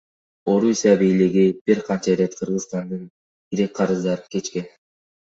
Орусия бийлиги бир канча ирет Кыргызстандын ири карыздарын кечкен.